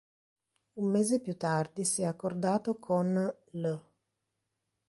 Un mese più tardi si è accordato con l'.